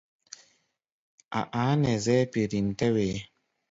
A̧ a̧á̧ nɛ zɛ́ɛ́ pirím-tɛ́-wee.